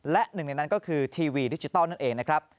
และหนึ่งในนั้นก็คือทีวีดิจิทัลนั่นเองนะครับ